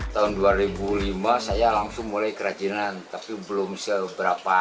tahun dua ribu lima saya langsung mulai kerajinan tapi belum seberapa